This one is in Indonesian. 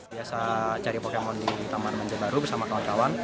biasa cari pokemon di tamar banjarbaru bersama kawan kawan